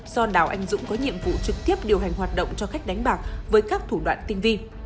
do đào anh dũng có nhiệm vụ trực tiếp điều hành hoạt động cho khách đánh bạc với các thủ đoạn tinh vi